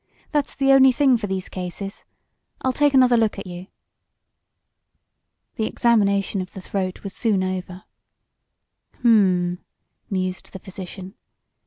"That's the only thing for these cases. I'll take another look at you." The examination of the throat was soon over. "Hum!" mused the physician.